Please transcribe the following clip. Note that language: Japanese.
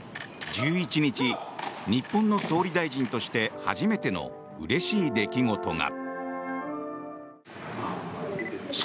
１１日、日本の総理大臣として初めてのうれしい出来事が。